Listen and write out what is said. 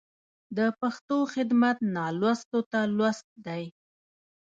د پښتو خدمت نالوستو ته لوست دی.